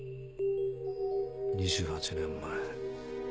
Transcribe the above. ２８年前。